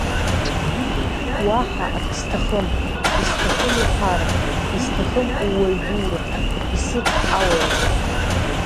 Уаҳа ак сҭахым, исҭахым уԥара, исҭахым ууаҩ дура, исыҭ ауаҩра!